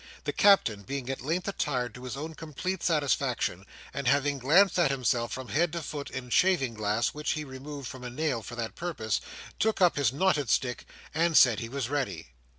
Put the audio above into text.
The Captain being at length attired to his own complete satisfaction, and having glanced at himself from head to foot in a shaving glass which he removed from a nail for that purpose, took up his knotted stick, and said he was ready.